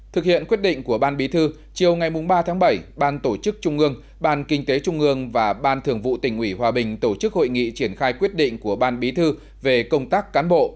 thực hiện quyết định của ban bí thư chiều ngày ba tháng bảy ban tổ chức trung ương ban kinh tế trung ương và ban thường vụ tỉnh ủy hòa bình tổ chức hội nghị triển khai quyết định của ban bí thư về công tác cán bộ